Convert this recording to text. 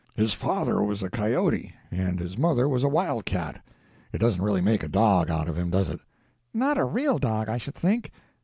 His father was a coyote and his mother was a wild cat. It doesn't really make a dog out of him, does it?" "Not a real dog, I should think.